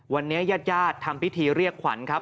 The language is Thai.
วันนี้ญาติญาติทำพิธีเรียกขวัญครับ